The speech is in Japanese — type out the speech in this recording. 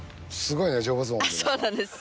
そうなんです。